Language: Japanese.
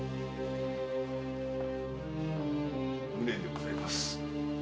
無念でございます。